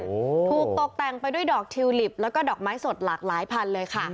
โอ้โหถูกตกแต่งไปด้วยดอกทิวลิปแล้วก็ดอกไม้สดหลากหลายพันเลยค่ะ